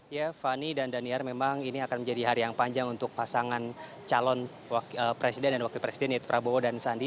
ya fani dan daniar memang ini akan menjadi hari yang panjang untuk pasangan calon presiden dan wakil presiden yaitu prabowo dan sandi